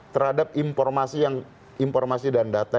terhadap informasi dan data yang sudah kami